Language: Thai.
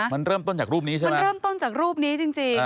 มันเริ่มต้นจากรูปนี้ใช่มั้ย